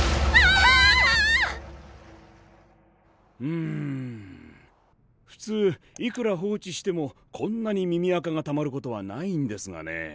うむふつういくら放置してもこんなに耳あかがたまることはないんですがね。